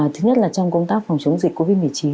thứ nhất là trong công tác phòng chống dịch covid một mươi chín